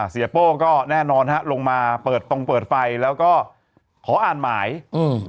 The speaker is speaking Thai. โป้ก็แน่นอนฮะลงมาเปิดตรงเปิดไฟแล้วก็ขออ่านหมายอืม